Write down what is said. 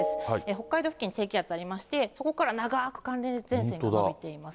北海道付近、低気圧ありまして、そこから長く寒冷前線が続いています。